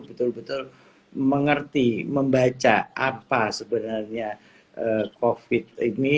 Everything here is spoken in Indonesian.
betul betul mengerti membaca apa sebenarnya covid ini